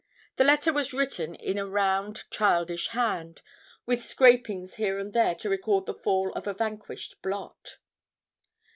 The letter was written in a round childish hand, with scrapings here and there to record the fall of a vanquished blot.